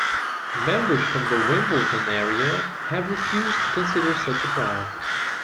Members from the Wimbledon area have refused to consider such a plan.